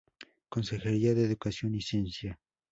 Consejería de Educación y Ciencia.